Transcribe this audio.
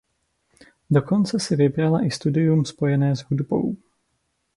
Dokonce si vybrala i studium spojené s hudbou.